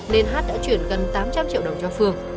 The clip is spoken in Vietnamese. nên hát đã chuyển gần tám trăm linh triệu đồng cho phương